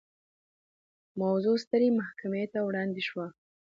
موضوع سترې محکمې ته وړاندې شوه.